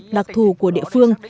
đặc thù của địa phương